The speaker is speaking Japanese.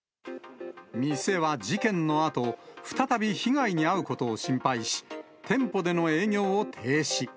店は事件のあと、再び被害に遭うことを心配し、店舗での営業を停止。